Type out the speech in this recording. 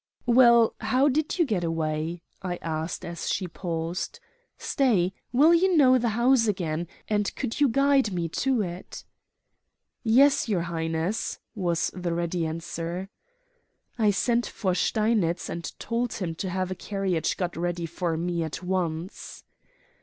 "Well, how did you get away?" I asked as she paused. "Stay, will you know the house again? And could you guide me to it?" "Yes, your Highness," was the ready answer. I sent for Steinitz and told him to have a carriage got ready for me at once.